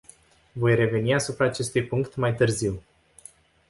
Voi reveni asupra acestui punct mai târziu.